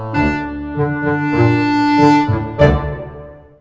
mudah mudahan ini angkot keberuntungan kita nih